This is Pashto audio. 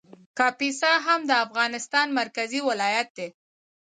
کاپیسا هم د افغانستان مرکزي ولایت دی